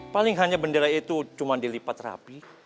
paling hanya bendera itu cuma dilipat rapi